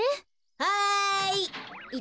はい。